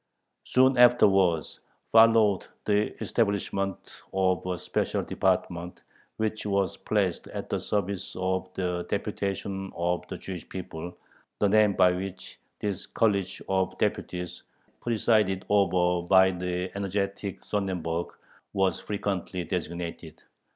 Soon afterwards followed the establishment of a special department, which was placed at the service of "the Deputation of the Jewish People," the name by which this college of deputies, presided over by the energetic Sonnenberg, was frequently designated.